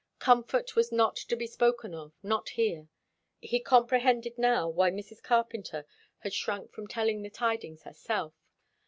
Comfort was not to be spoken of, not here. He comprehended now why Mrs. Carpenter had shrank from telling the tidings herself.